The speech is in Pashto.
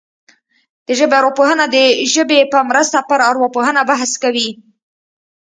د ژبې ارواپوهنه د ژبې په مرسته پر ارواپوهنه بحث کوي